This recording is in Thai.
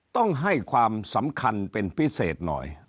ต้องให้ความสำคัญเป็นพิเศษหน่อย